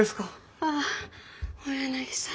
ああ大柳さん